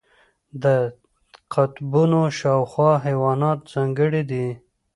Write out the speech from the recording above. د قطبونو شاوخوا حیوانات ځانګړي دي.